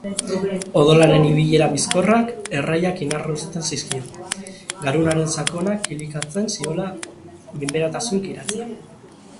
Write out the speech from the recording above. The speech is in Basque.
Odolaren ibilera bizkorrak erraiak inarrosten zizkion, garunaren sakona kilikatzen ziola minberatasun kiratsak.